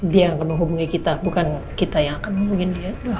dia akan menghubungi kita bukan kita yang akan menghubungin dia